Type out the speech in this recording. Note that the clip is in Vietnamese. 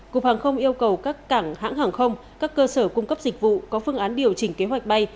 cục hàng không yêu cầu các cảng hãng hàng không các cơ sở cung cấp dịch vụ có phương án điều chỉnh kế hoạch bay